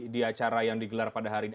di acara yang digelar pada hari ini